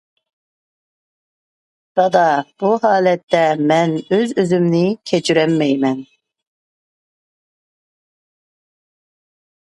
دادا بۇ ھالەتتە مەن ئۆز-ئۆزۈمنى كەچۈرەلمەيمەن.